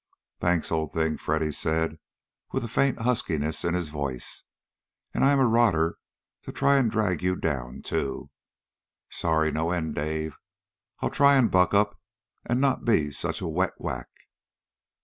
"Thanks, old thing," Freddy said with a faint huskiness in his voice. "And I am a rotter to try and drag you down, too. Sorry no end, Dave. I'll try and buck up and not be such a wet wack."